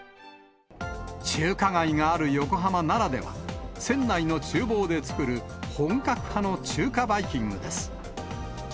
中華街がある横浜ならでは、船内のちゅう房で作る本格派の中華バイキングです。